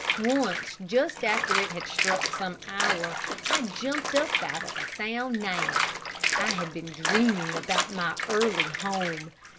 Once, just after it had struck some hour, I jumped up out of a sound nap. I had been dreaming about my early home.